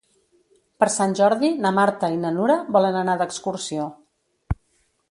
Per Sant Jordi na Marta i na Nura volen anar d'excursió.